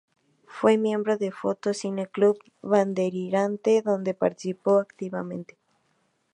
Fue miembro del Foto Cine Club Bandeirante, donde participó activamente.